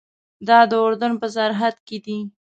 دا د اردن په سرحد کې دی.